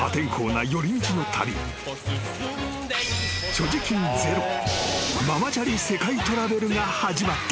［所持金０ママチャリ世界トラベルが始まった］